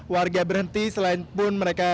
warga berhenti selain pun mereka